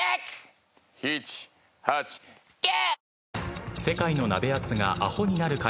７８９！